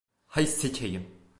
Hay sikeyim!